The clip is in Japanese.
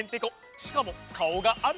しかもかおがある。